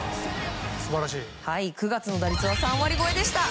９月の打率は３割超えでした。